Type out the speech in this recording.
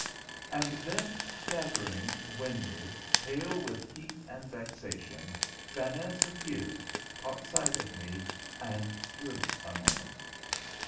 _" And then, staggering, winded, pale with heat and vexation, Vaness appeared, caught sight of me, and stood a moment.